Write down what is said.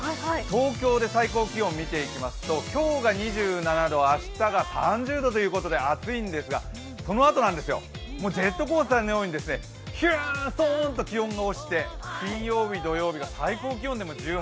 東京で最高気温を見ていきますと、今日が２７度明日が３０度ということで暑いんですがそのあとなんですよ、ジェットコースターのようにヒューン、ストーンと気温が落ちて金曜、土曜の最高気温が１８度。